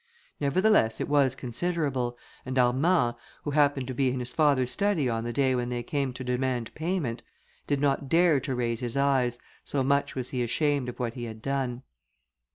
Nevertheless it was considerable, and Armand, who happened to be in his father's study on the day when they came to demand payment, did not dare to raise his eyes, so much was he ashamed of what he had done.